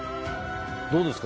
どうですか？